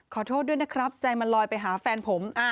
ขอโทษด้วยนะครับใจมันลอยไปหาแฟนผม